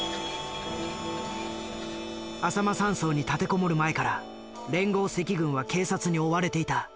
あさま山荘に立てこもる前から連合赤軍は警察に追われていた。